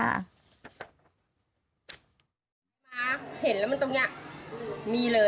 มาเห็นแล้วมันตรงนี้